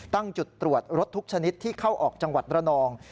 ตั้งจุดตรวจรถทุกชนิดที่เข้าออกจังหวัดระนอง